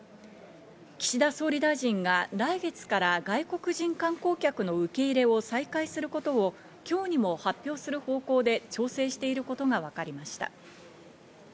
岸田総理大臣が、来月から外国人観光客の受け入れを再開することを今日にも発表する方向で調整していることがわかりました。